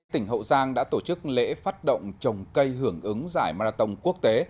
tỉnh hậu giang đã tổ chức lễ phát động trồng cây hưởng ứng giải marathon quốc tế